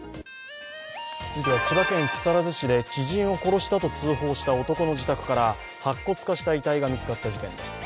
千葉県木更津市で知人を殺したと通報した男の自宅から白骨化した遺体が見つかった事件です。